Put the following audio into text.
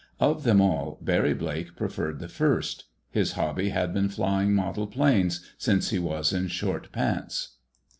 Of them all, Barry Blake preferred the first. His hobby had been flying model planes since he was in short pants.